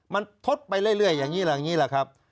มันทดไปเรื่อยอย่างนี้แหละครับ